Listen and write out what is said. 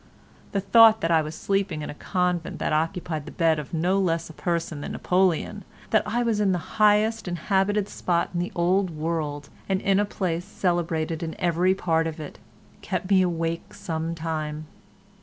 The thought that I was sleeping in a convent and occupied the bed of no less a person than Napoleon, that I was in the highest inhabited spot in the old world and in a place celebrated in every part of it, kept me awake some time."